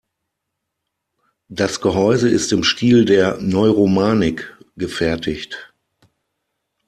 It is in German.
Das Gehäuse ist im Stil der Neuromanik gefertigt.